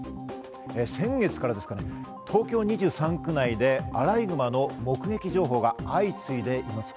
先月からですかね、東京２３区内でアライグマの目撃情報が相次いでいます。